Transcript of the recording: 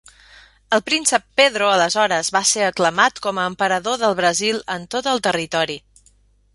El Príncep Pedro, aleshores, va ser aclamat com a Emperador del Brasil en tot el territori.